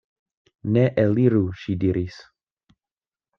Ni eliru, ŝi diris.